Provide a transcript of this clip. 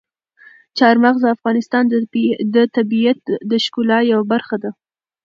چار مغز د افغانستان د طبیعت د ښکلا یوه برخه ده.